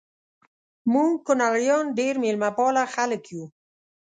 مونږ کونړیان ډیر میلمه پاله خلک یو